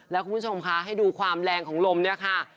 แล้วคุณผู้ชมคะให้ดูความแรงของลมเนี่ยค่ะ